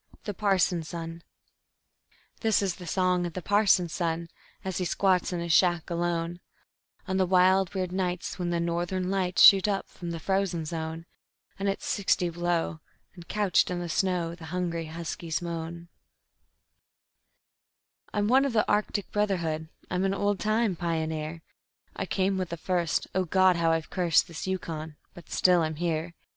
The Parson's Son _This is the song of the parson's son, as he squats in his shack alone, On the wild, weird nights, when the Northern Lights shoot up from the frozen zone, And it's sixty below, and couched in the snow the hungry huskies moan:_ "I'm one of the Arctic brotherhood, I'm an old time pioneer. I came with the first O God! how I've cursed this Yukon but still I'm here.